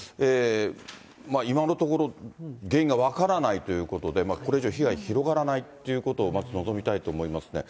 今のところ、原因が分からないということで、これ以上、被害広がらないということを、まず望みたいと思いますね。